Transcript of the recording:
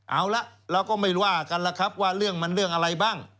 เอาละเราก็ไม่ว่ากันล่ะครับว่าเรื่องมันเรื่องอะไรบ้าง